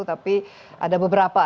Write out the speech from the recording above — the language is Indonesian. tapi ada beberapa